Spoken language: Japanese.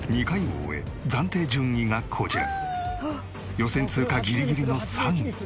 予選通過ギリギリの３位。